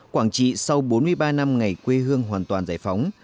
quảng trị sau bốn mươi ba năm ngày quê hương hoàn toàn giải phóng